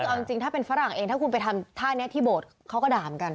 คือเอาจริงถ้าเป็นฝรั่งเองถ้าคุณไปทำท่านี้ที่โบสถ์เขาก็ด่าเหมือนกัน